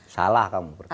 salah kamu bertanya